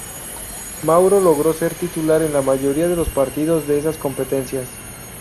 Mauro logró ser titular en la mayoría de los partidos de esas competencias.